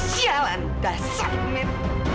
sialan dasar min